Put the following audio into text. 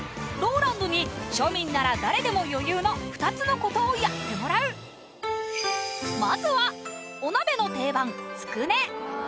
ローランドに庶民なら誰でも余裕の２つのことをやってもらうまずはお鍋の定番